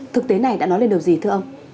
thực tế này đã nói lên điều gì thưa ông